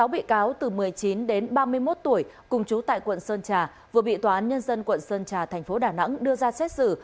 sáu bị cáo từ một mươi chín đến ba mươi một tuổi cùng chú tại quận sơn trà vừa bị tòa án nhân dân quận sơn trà thành phố đà nẵng đưa ra xét xử